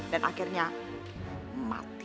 dan akhirnya mati